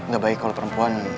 gak baik kalo perempuan